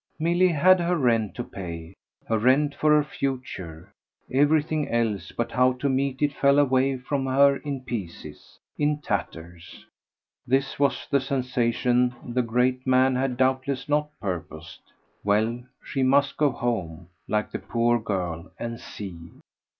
Milly had her rent to pay, her rent for her future; everything else but how to meet it fell away from her in pieces, in tatters. This was the sensation the great man had doubtless not purposed. Well, she must go home, like the poor girl, and see.